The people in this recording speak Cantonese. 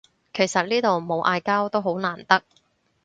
其實呢度冇嗌交都好難得